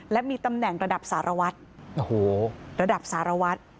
และมีตำแหน่งระดับสารวัฏ